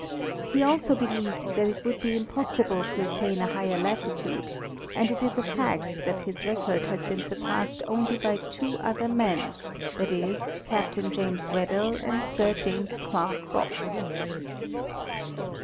He also believed that it would be impos sible to attain a higher latitude, and it is a fact that his record has been surpassed by only two other men—that is, Captain James Weddell and Sir James' Clark Ross.